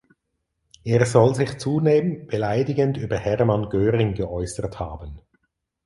Er soll sich zudem beleidigend über Hermann Göring geäußert haben.